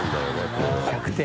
１００点。